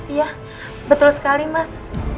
iya betul sekali mas